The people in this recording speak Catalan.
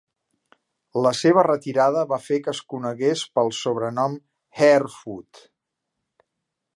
La seva retirada va fer que es conegués pel sobrenom "Harefoot".